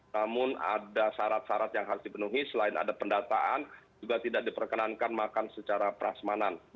namun ada syarat syarat yang harus dipenuhi selain ada pendataan juga tidak diperkenankan makan secara prasmanan